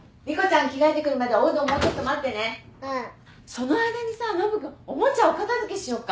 その間にさノブ君おもちゃお片付けしよっか。